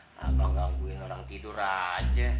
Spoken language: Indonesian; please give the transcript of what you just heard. ah apa gangguin orang tidur aja